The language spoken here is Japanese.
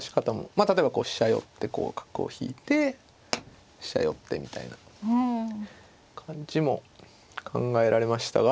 まあ例えばこう飛車寄ってこう角を引いて飛車寄ってみたいな感じも考えられましたが。